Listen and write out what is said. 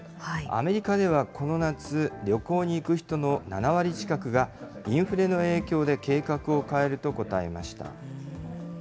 アメリカではこの夏、旅行に行く人の７割近くが、インフレの影響で計画を変えると答えました。